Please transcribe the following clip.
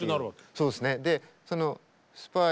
そうですね。